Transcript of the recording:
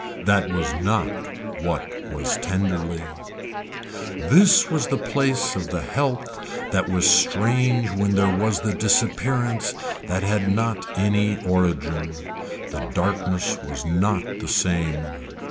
That was not what was tenderly. This was the piece of the health that was strange when there was the disappearance that had not any origin. The darkness was not the same.